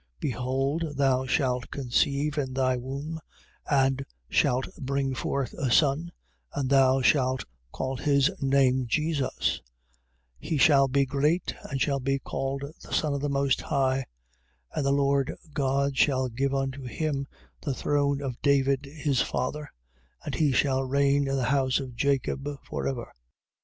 1:31. Behold thou shalt conceive in thy womb and shalt bring forth a son: and thou shalt call his name Jesus. 1:32. He shall be great and shall be called the Son of the Most High. And the Lord God shall give unto him the throne of David his father: and he shall reign in the house of Jacob for ever.